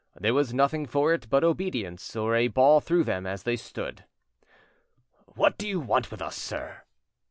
There was nothing for it but obedience, or a ball through them as they stood. "What do you want with us, sir?"